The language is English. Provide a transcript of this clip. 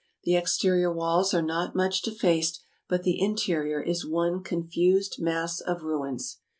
The exterior walls are not much defaced, but the interior is one confused mass of ruins.